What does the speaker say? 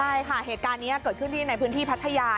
ใช่ค่ะเหตุการณ์นี้เกิดขึ้นที่ในพื้นที่พัทยา